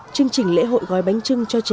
chương trình lễ hội gói bánh trưng cho trẻ